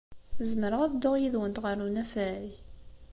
Zemreɣ ad dduɣ yid-went ɣer unafag?